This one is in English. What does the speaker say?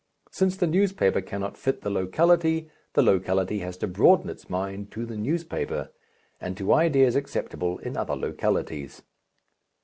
Since the newspaper cannot fit the locality, the locality has to broaden its mind to the newspaper, and to ideas acceptable in other localities.